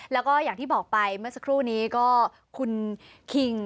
แล้วก็อย่างที่บอกไปเมื่อสักครู่นี้ก็คุณคิง